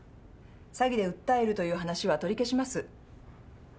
詐欺で訴えるという話は取り消します。